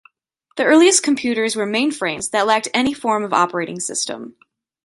The earliest computers were mainframes that lacked any form of operating system.